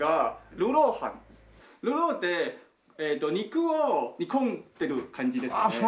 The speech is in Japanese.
ルーローって肉を煮込んでる感じですね。